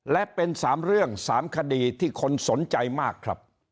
และเป็น๓เรื่อง๓คดีที่คนสนใจมากครับ